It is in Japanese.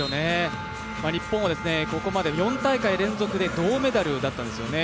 日本はここまで４大会連続で銅メダルだったんですよね。